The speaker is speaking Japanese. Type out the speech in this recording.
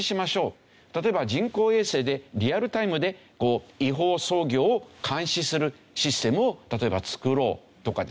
例えば人工衛星でリアルタイムで違法操業を監視するシステムを例えば作ろうとかですね